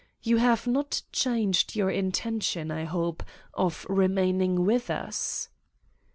You have not changed your intention, I hope, of remaining with us?"